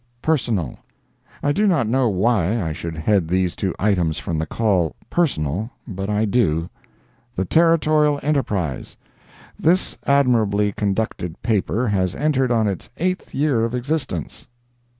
PERSONAL. I do not know why I should head these two items from the Call "personal," but I do: THE "TERRITORIAL ENTERPRISE."—This admirably conducted paper has entered on its eighth year of existence.